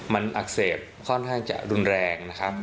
มันอักเสบค่อนข้างจะรุนแรงนะครับ